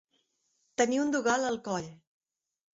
Tenir un dogal al coll.